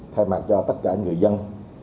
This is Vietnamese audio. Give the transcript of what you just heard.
thay mặt cho tất cả người dân